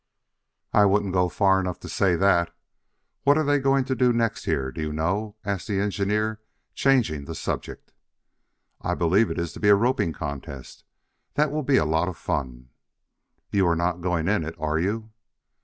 "I wouldn't go far enough to say that. What are they going to do next here do you know?" asked the engineer, changing the subject. "I believe it is to be a roping contest. That will be a lot of fun." "You are not going in it, are you?"